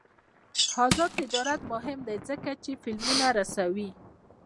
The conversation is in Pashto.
آزاد تجارت مهم دی ځکه چې فلمونه رسوي.